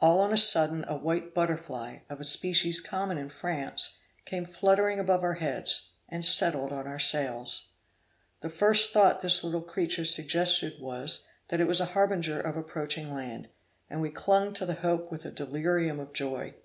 All on a sudden a white butterfly, of a species common in France, came fluttering above our heads, and settled on our sails. The first thought this little creature suggested was, that it was the harbinger of approaching land, and we clung to the hope with a delirium of joy.